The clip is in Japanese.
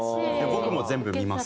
僕も全部見ます。